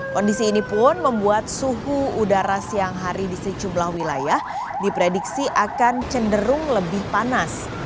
kondisi ini pun membuat suhu udara siang hari di sejumlah wilayah diprediksi akan cenderung lebih panas